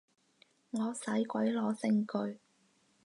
我使鬼攞證據